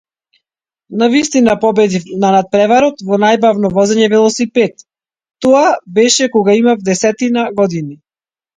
Навистина победив на натпревар во најбавно возење велосипед, тоа беше кога имав десетина години.